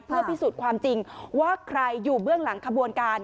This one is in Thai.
เพื่อพิสูจน์ความจริงว่าใครอยู่เบื้องหลังขบวนการ